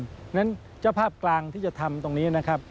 เพราะฉะนั้นเจ้าภาพกลางที่จะทำตรงนี้นะครับ